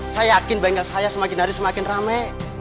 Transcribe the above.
saya yakin bengkel saya semakin hari semakin rame